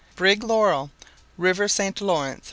Brig Laurel, River St. Laurence.